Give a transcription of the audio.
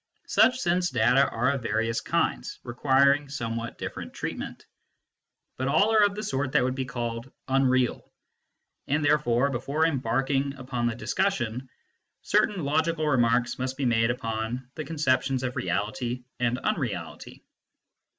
Such sense data are of various kinds, requiring somewhat different treatment. But all are of the sort that would be called " unreal," and therefore, before embarking upon the dis cussion, certain logical remarks must be made upon the conceptions of reality and unreality.